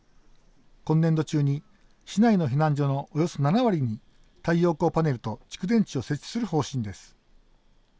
今年度中に市内の避難所のおよそ７割に太陽光パネルと蓄電池を設置する方針です。